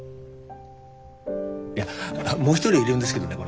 あっもう一人いるんですけどね